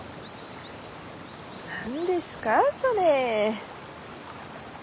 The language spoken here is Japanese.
何ですかそれ。